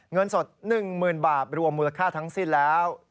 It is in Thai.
เงินสด๑๐๐๐บาทรวมมูลค่าทั้งสิ้นแล้ว